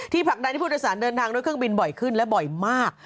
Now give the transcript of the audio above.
ผลักดันที่ผู้โดยสารเดินทางด้วยเครื่องบินบ่อยขึ้นและบ่อยมาก